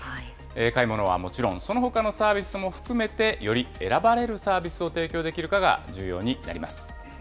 買い物はもちろん、そのほかのサービスも含めて、より選ばれるサービスを提供できるかが重要にな